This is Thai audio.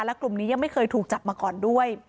และกลุ่มนี้ยังไม่เคยถูกจับมาก่อนด้วย